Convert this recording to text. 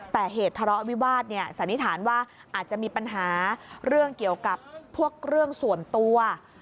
แต่เหตุทะเลาะวิวาสเนี่ยสันนิษฐานว่าอาจจะมีปัญหาเรื่องเกี่ยวกับพวกเรื่องส่วนตัว